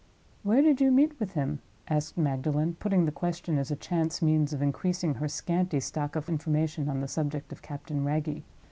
"Where did you meet with him?" asked Magdalen, putting the question as a chance means of increasing her scanty stock of information on the subject of Captain Wragge.